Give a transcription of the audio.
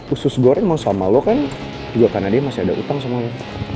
usus goreng mau sama lo kan juga karena dia masih ada utang semuanya